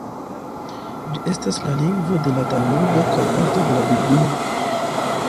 Ĝi estas la lingvo de la Talmudo kaj parto de la Biblio.